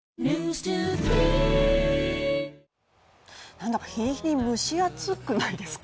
なんだか日に日に蒸し暑くないですか？